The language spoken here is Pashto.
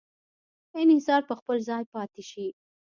انحصار په خپل ځای پاتې شي.